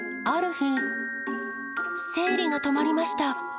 ある日、生理が止まりました。